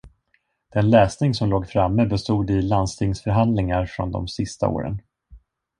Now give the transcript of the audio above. Den läsning som låg framme bestod i landstingsförhandlingar från de sista åren.